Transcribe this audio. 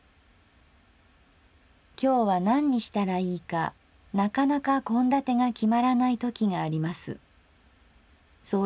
「今日は何にしたらいいかなかなか献立が決まらないときがあります。